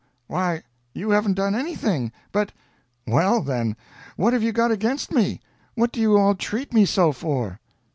Why you haven't done anything. But " "Well, then, what have you got against me? What do you all treat me so for?"